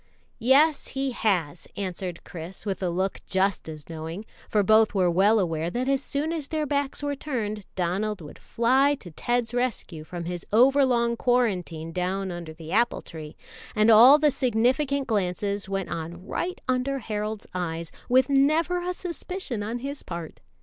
"Yes, he has," answered Chris, with a look just as knowing, for both were well aware that as soon as their backs were turned Donald would fly to Ted's rescue from his overlong quarantine down under the apple tree, and all the significant glances went on right under Harold's eyes, with never a suspicion on his part.